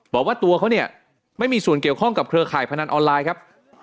บอกว่าตัวเขาเนี่ยไม่มีส่วนเกี่ยวข้องกับเครือข่ายพนันออนไลน์ครับ